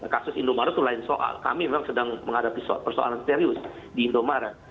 kasus indomaret itu lain soal kami memang sedang menghadapi persoalan serius di indomaret